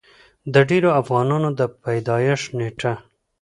د ډېرو افغانانو د پېدايښت نيټه